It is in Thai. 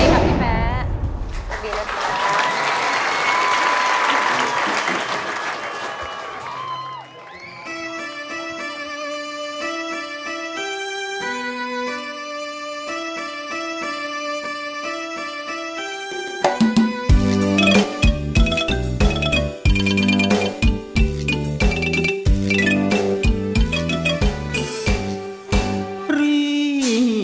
ขอช่วงดีครับพี่แม้